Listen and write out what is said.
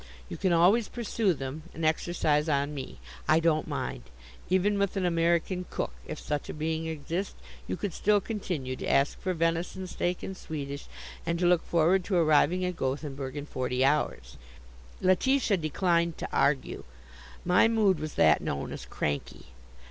You can always pursue them, and exercise on me. I don't mind. Even with an American cook, if such a being exist, you could still continue to ask for venison steak in Swedish, and to look forward to arriving at Gothenburg in forty hours." Letitia declined to argue. My mood was that known as cranky.